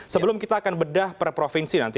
sebelum kita akan bedah per provinsi nanti